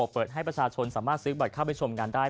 เปิดให้ประชาชนสามารถซื้อบัตรเข้าไปชมงานได้